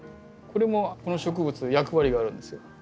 これもこの植物役割があるんですよ。